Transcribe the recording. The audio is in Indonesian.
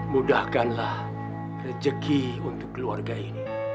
mudahkanlah rezeki untuk keluarga ini